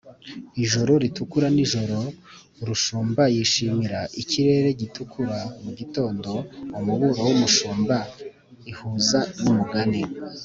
ijuru ritukura nijoro urushumba yishimira; ikirere gitukura mugitondo, umuburo wumushumba ihuza numugani